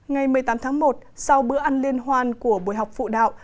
ngày một mươi tám tháng một sau bữa ăn liên hoan của buổi học phụ đạo